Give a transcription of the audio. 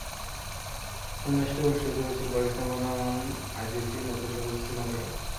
প্রথম ম্যাচটি অনুষ্ঠিত হয়েছিল পাকিস্তান বনাম আইসিসির নতুন সদস্য শ্রীলঙ্কার সাথে।